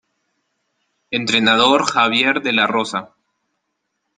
Entrenador: Xavier de la Rosa